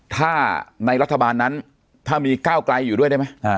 ถ้าในรัฐบาลนั้นถ้ามีก้าวไกลอยู่ด้วยได้ไหม